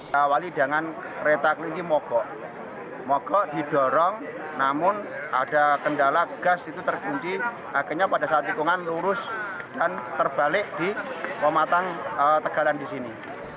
kita awali dengan kereta kelinci mogok mogok didorong namun ada kendala gas itu terkunci akhirnya pada saat tikungan lurus dan terbalik di pematang tegalan di sini